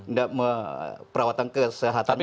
nggak perawatan kesehatannya